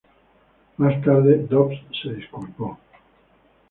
Más tarde, Dobbs se disculpó.